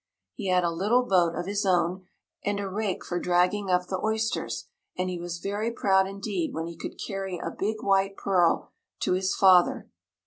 He had a little boat of his own and a rake for dragging up the oysters and he was very proud indeed when he could carry a big white pearl to his father.